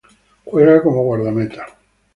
Juega como guardameta.